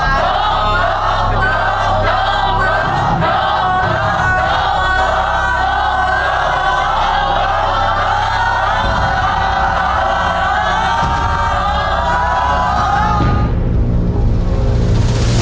ยอม